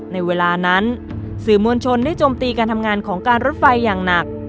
ในเวลานั้นสื่อมวลชนได้จมตีการทำงานของการรถไฟอย่างหนัก